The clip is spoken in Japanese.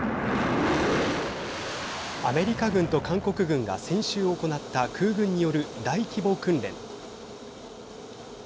アメリカ軍と韓国軍が先週行った空軍による大規模訓練。